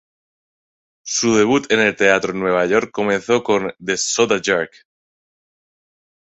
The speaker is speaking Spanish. Su debut en el teatro en Nueva York comenzó con "The Soda Jerk".